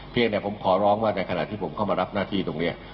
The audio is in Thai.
เพียงแต่ผมขอร้องว่าในขณะที่ผมเข้ามารับหน้าที่ตรงนี้